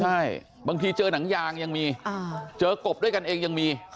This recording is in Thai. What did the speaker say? ใช่บางทีเจอหนังยางยังมีเจอกบด้วยกันเองยังมี